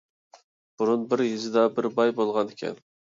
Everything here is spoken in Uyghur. بۇرۇن بىر يېزىدا بىر باي بولغانىكەن.